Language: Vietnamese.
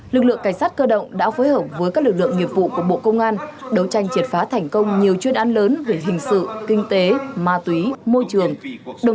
lực lượng cảnh sát cơ động đã phối hợp với các lực lượng nghiệp vụ của bộ công an đấu tranh triệt phá thành công nhiều chuyên an lớn về hình sự kinh tế ma túy môi trường